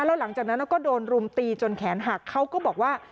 แล้วหลังจากนั้นก็โดนรุมตีจนแขนหักเขาก็บอกว่า